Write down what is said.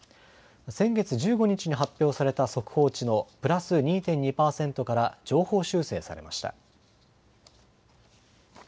先月１５日に発表された速報値のプラス２．２％から上方修正されました。